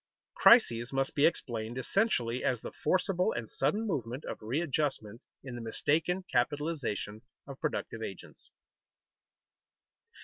_Crises must be explained essentially as the forcible and sudden movement of readjustment in the mistaken capitalization of productive agents.